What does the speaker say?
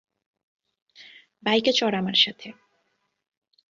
বাইকে চড় আমার সাথে!